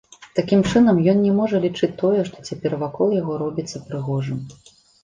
Такім чынам, ён не можа лічыць тое, што цяпер вакол яго робіцца, прыгожым.